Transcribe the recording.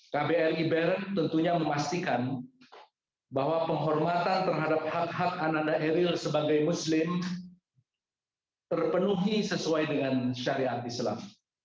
kbri bern tentunya memastikan bahwa penghormatan terhadap hak hak ananda eril sebagai muslim terpenuhi sesuai dengan syariat islam